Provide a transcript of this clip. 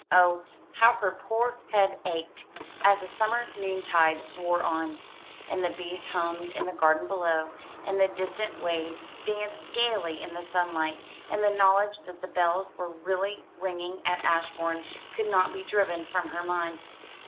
Oh, how her poor head ached as the summer noontide wore on, and the bees hummed in the garden below, and the distant waves danced gaily in the sunlight; and the knowledge that the bells were really ringing at Ashbourne could not be driven from her mind.